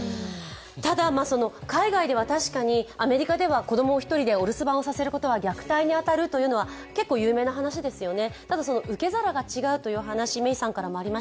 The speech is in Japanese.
ただ、確かにアメリカでは子供１人でお留守番をさせることは虐待に当たるというのは、結構有名な話ですよね。